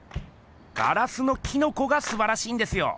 ガラスのキノコがすばらしいんですよ。